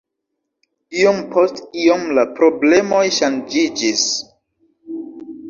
Iom post iom la problemoj ŝanĝiĝis.